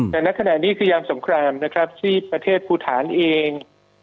แต่ณขณะนี้คือยามสงครามนะครับที่ประเทศภูฐานเอง